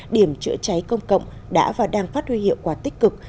điểm chữa cháy công cộng đã và đang phát huy hiệu quả tích cực